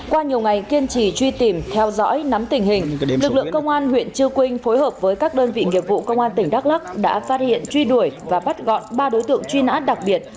qua nhiều ngày kiên trì truy tìm theo dõi nắm tình hình lực lượng công an huyện chư quynh phối hợp với các đơn vị nghiệp vụ công an tỉnh đắk lắc đã phát hiện truy đuổi và bắt gọn ba đối tượng truy nã đặc biệt